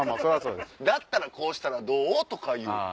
だったらこうしたらどう？とか。